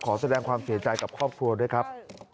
ขอแสดงความเสียใจกับครอบครัวด้วยครับ